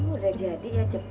udah jadi ya cepet ya